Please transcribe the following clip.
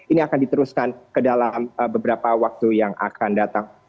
ini akan diteruskan ke dalam beberapa waktu yang akan datang